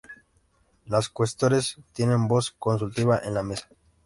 Los Cuestores tienen voz consultiva en la Mesa.